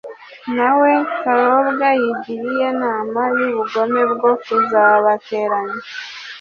na we karobwa yigira iye nama y'ubugome bwo kuzabateranya